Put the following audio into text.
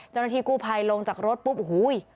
จนทีกู้ภัยลงจากรถปุ๊บอูหุ้ย